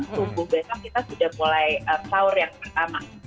subuh besok kita sudah mulai sahur yang pertama